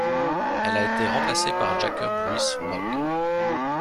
Elle a été remplacée par Jacob Rees-Mogg.